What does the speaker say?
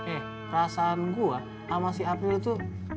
eh perasaan gua sama si apnu itu